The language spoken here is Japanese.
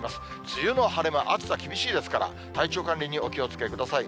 梅雨の晴れ間、暑さ厳しいですから、体調管理にお気をつけください。